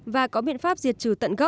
và có biện pháp diệt trừ tận cơ